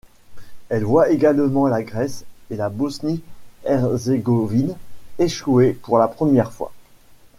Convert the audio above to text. Elle voit également la Grèce et la Bosnie-Herzégovine échouer pour la première fois.